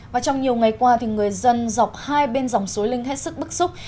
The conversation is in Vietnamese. và trong nhiều ngày qua người dân dọc hai bên dòng suối linh hết sức bức xúc